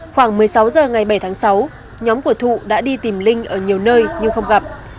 khoảng một mươi sáu h ngày bảy tháng sáu nhóm của thụ đã đi tìm linh ở nhiều nơi nhưng không gặp